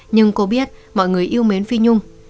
nhưng cô biết mọi người yêu mến phi nhung